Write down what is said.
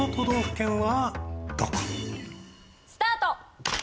スタート！